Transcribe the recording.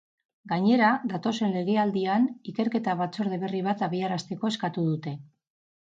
Gainera, datozen legealdian ikerketa batzorde berri bat abiarazteko eskatu dute.